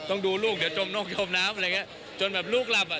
ต้องดูลูกเดี๋ยวจมนกจมน้ำอะไรอย่างเงี้ยจนแบบลูกหลับอ่ะ